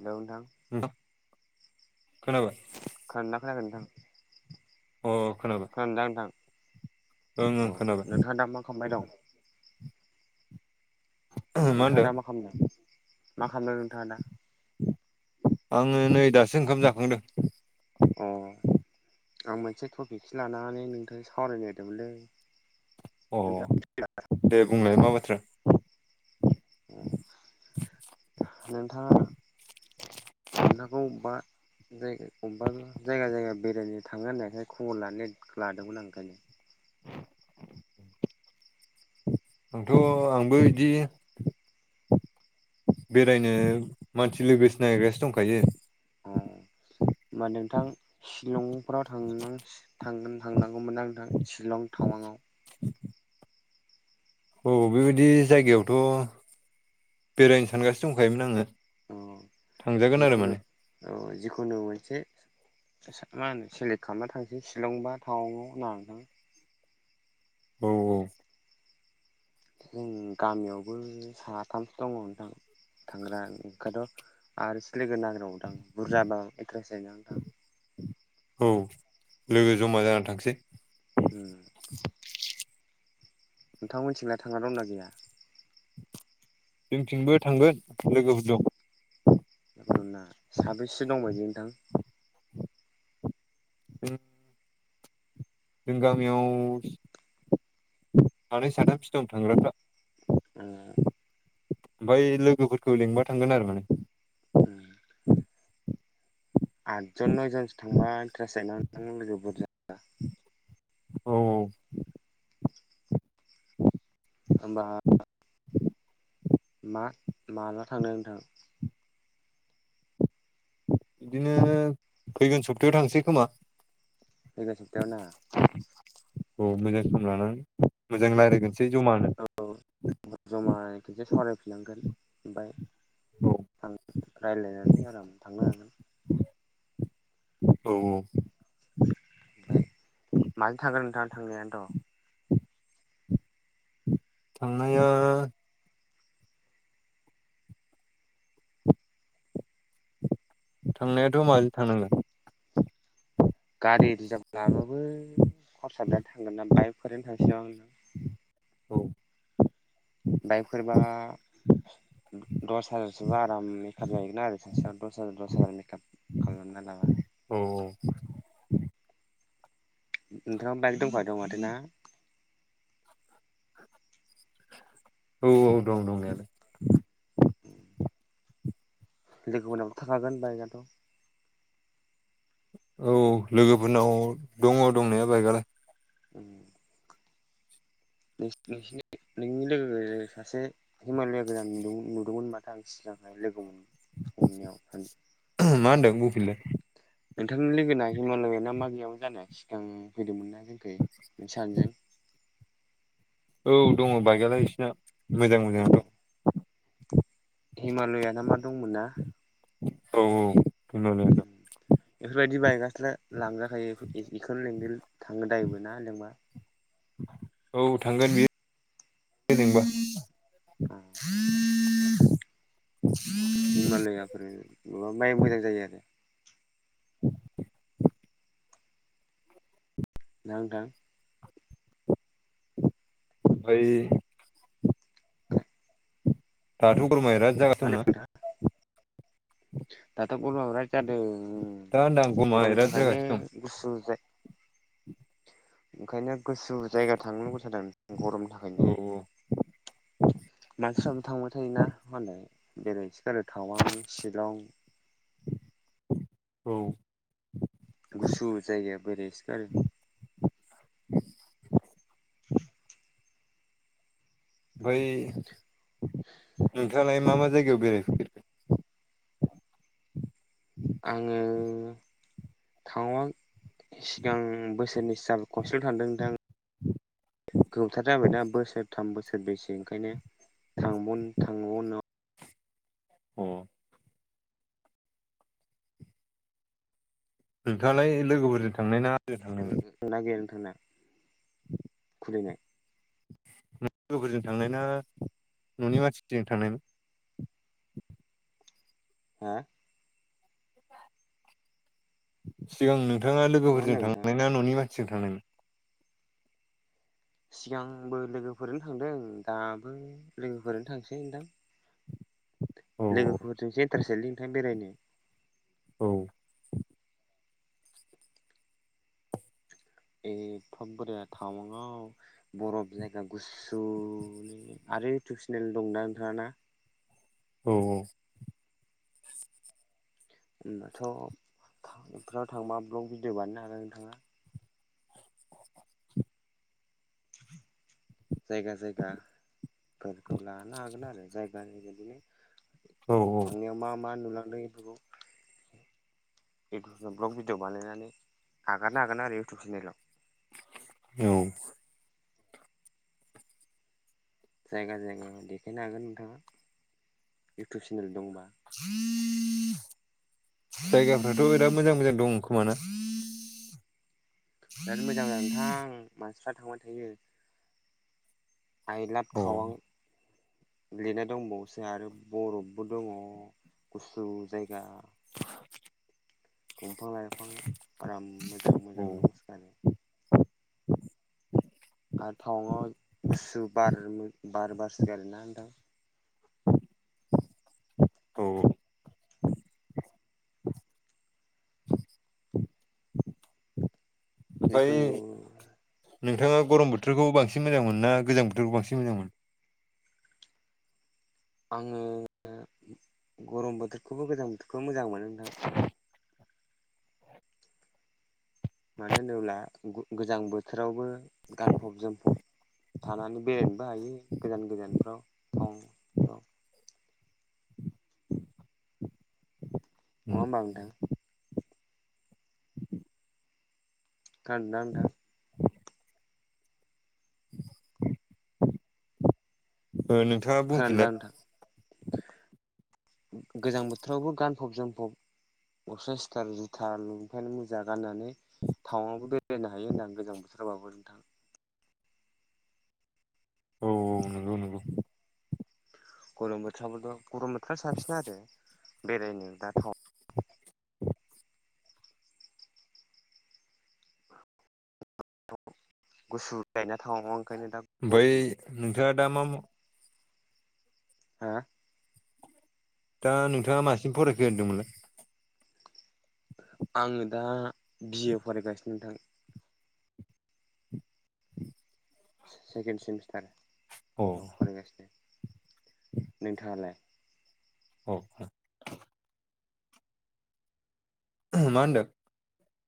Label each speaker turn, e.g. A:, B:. A: हेल नोंथां
B: नोंथां खोनाबाय
A: खोनादोंना खोनायाखै नोंथां
B: अ खोनाबाय
A: खोनादोंना नोंथां
B: ओं ओं
A: अ
B: खोनाबाय
A: नोंथाङा दा मा खालामबाय दं नोंथाङा दा मा खालामदों मा खालामदों नोंथाङा दा
B: आङो नै दासो ओंखाम जाखांदों
A: अ आं मोनसे टपिकसो लानानै नोंथांजों सावरायनो नागिरदोंमोनलै
B: अ
A: नोंथाङा
B: दे बुंनाय मा बाथ्रा
A: [inaudible] नोंथाङा नोंथांखौ बा जायगा अबेबा जायगा जायगा बेरायनो थाङो होननायखाय खबर लानो लादोंमोन आं ओंखायनो।
B: आंथ' आंबो बिदि बेरायनो मानसि लोगो सिनायग्रासो दंखायो।
A: अ होनोमबा नोंथां सिलंफोराव थांनां थांगोन। थांनांगौमोना नोंथां शिलं टावांआव
B: औ बेबायदि जायगायावथ' बेरायनो सानगासिनो दंखायोमोन आङो।
A: अ
B: थांजागोन आरो
A: जिखुनु
B: माने
A: औ जिखुनु मोनसे मा होनो सेलेक्ट खालामना थांसै शिलं बा टावांआव होना नोंथां।
B: औ औ
A: जों गामियावबो साथामसो दङ नोंथां। थांग्रा ओंखायथ' आरो एसे लोगो नागिरबाव। नोंथां बुरजाबा एथ्रेस जायो नोंथां।
B: औ लोगो जमा जानानै थांसै।
A: उम नोंथां मिथिंनाय थांना दंना गैया?
B: जोंथिंबो थांगोन लोगोफोर दं।
A: ना साबेसे दंबायदि नोंथां?
B: उम जों गामियाव सानै साथामसो दं थांग्राफ्रा।
A: ए
B: ओमफ्राय लोगोफोरखौ लिंबा थांगोन आरो माने?
A: उम आदजन नयजनसो थांबा इन्ट्रारिस जायोना नोंथां लोगोफोर बुरजाबा
B: औ
A: होमबा मा माला थांनो नोंथां
B: बिदिनो फैगोन सप्तायाव थांसै खोमा।
A: फैगोन सप्तायाव ना
B: औ मोजां सम लानानै। मोजां रायज्लायगोनसै जमानो
A: औ जमा खेनसे सावराय फिननांगोन ओमफाय
B: औ
A: थां रायलायनानै आराम थांनो हागोन।
B: औ औ
A: थांनायानो थ
B: थांनाया थांनायाथ' माजै थांनांगोन।
A: गारि रिजार्भ लाबाबो खरसा जानो थांगोन ना बाइकफोरनो थांसैबा नां?
B: औ
A: बाइकफोरबा
B: [inaudible]
A: दस हाजारसोबा आराम मेकआप जाहैगोन आरो सासेयाव दस हाजार दस हाजार मेकआप खालामना लाबा
B: औ औ
A: नोंङा बाइक दंखायो दं माथो ना?
B: औ औ दं दंनायालाय।
A: लोगो फोरनाबो थाखागोन बाइकआथ'
B: औ लोगोफोरनाव दङ दंनाया बाइकआलाय।
A: उम नोंसिनि नोंनि लोगो सासे हिमालया गोजान नु नुदोंमोन माथो आं सि लोगो मोन समनियाव।
B: मा होनदों बुंफिनलाय
A: नोंथांनि लोगोना हिमालय ना मा गैयामोन जानो सिगां फैदोंमोन ना जोंखै सानैजों
B: औ दङ बाइकआलाय बिसिना मोजां
A: अ
B: मोजांथ'
A: हिमालया ना मा दंमोनना
B: औ औ दंनायालाय दं
A: बेफोरबायदि बायगासिनो लांजाखायो बेखौनो लें थाङो दायोबो मा होनदों मोन
B: औ थांगोन बेयो नबा
A: हिमालयाफोर माबा माइ मोजां जायो आरो
B: [inaudible]
A: ना नोंथां
B: बै
A: [inaudible]
B: दाथ' गुरमाया बिराद जागासिनो
A: होनो
B: दंना
A: दाथ' गरमा बिराथ जादों उ
B: दा होनदां गरमा
A: गरमनि
B: बिराद
A: थाखायनो
B: जागासिनो दं
A: गुसु जाय ओंखायनो गोसु जायगा थांनो गोौस जादों गरमनि थाखायनो
B: औ
A: मानसिफ्रा थांबाय थायोना मालाय बेराय हैसो गारो तावांग शिलं
B: औ
A: गुसु जायगाया बेरायसोगारो
B: बै नोंथाङा मा मा जायगायाव बेराय हैफेरखो
A: आङो तावांग सिगां बोसोरनैसो जाबाय खनसेल' थांदों नोंथां गोबावथार जाबाय दा बोसोरथाम बोसोर बेसे ओंखायनो थांबनाव
B: औ नोंथाङालाय लोगोफोरजों थांनाय ना आंजों थांनाय
A: [inaudible] खलिनाय
B: न लोगोफोरजों थांनाय ना न'नि मानसिजों थांनाय
A: हा
B: सिगां नोंथाङा
A: मा
B: लोगोफोरजों
A: होनदों नोंथाङा?
B: थांनाय ना न'नि मानसिजों थांनायमोन
A: सिगांबो लोगोफोरनो थांदों दाबो लोगोफोरनो थांसै नोंथां
B: [inaudible]
A: लोगोफोरजों सेन्टार सो लिनोथां बेरायनो
B: औ
A: एफाब बोरि टाउङआव बरफ जायगा गुसुनि आरो इउटुब चेनेल दंना नोंथाङा ना?
B: औ औ
A: होनबाथ बेफोराव थांबा ब्लग भिडियअ बानायनो हागोन नोंथाङा
B: [inaudible]
A: जायगा जायगाफोरखौ लानो हागोन आरो जायगानि बिदिनो
B: औ
A: थांनायाव मा मा नुलांदों बेफोरखौ इउटुबाव ब्लग भिडिअ बानायनानै आगारनो हागोन आरो इउटुब चेनेलाव
B: औ
A: जायगा जायगा देखायनो हागोन नोंथाङा इउटुब चेनेल दंबा
B: [inaudible] जायगाफ्राथ' बिराद मोजां मोजां दं खोमाना
A: बिराद मोजां जादों नोंथां मानसिफ्रा थांबाय थायो। आयलाब
B: अ
A: थावां
B: औ
A: लिरना दंबावसो आरो बरफबो दङ गुसु जायगा दंफां लाइफां आराम मोजां मोजां दं सिखारानो आरो टावां गुसु बार बार बारसो गारोना नोंथां
B: [unintelligible] [unintelligible]
A: जेखुनु
B: नोंथाङा गरम बोथोरखौ बांसिन मोजांमोन ना गोजां बोथोरखौ बांसिन मोजांमोन
A: आङो गरम बोथोरखौबो गोजां बोथोरखौबो मोजां मोनो नोंथां मानो होनोब्ला गोजां बोथोरावबो गानफब जोमफब थानानै बेरायनोबो हायो गोजान गोजानफ्राव थानो नङा होनबा नोंथां खोनादों ना नोंथां
B: नोंथाङा
A: खोनादोंदा
B: बुंफिनलाय
A: नोंथां गोजां बोथोरावबो गानफब जोमफब अस सिथार जुथा लंपेन मुजा गाननानै टावांआवबो बेरायनो हायो होननानै गोजां बोथोरबाबो नोंथां
B: औ औ नंगौ नंगौ
A: गरम बोथोरावथ गरम बोथोरा साबसिन आरो बेरायनो दा थाउन गुसु गायना थाङो ओंखायनो दा
B: ओमफ्राय
A: गरम
B: नोंथाङा दा मा
A: हा
B: दा नोंथाङा मासिम फरायखो होनदोंमोनलाय
A: आङो दा बिए फरायगासिनो नोंथां
B: [unintelligible]
A: सेकेन्ड सेमिस्टार
B: अ
A: फरगासिनो नोंथाङालाय
B: औ औ माहोनदो?